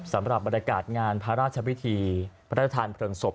สำหรับบรรยากาศงานพระราชพิธีพระราชทานเพลิงศพ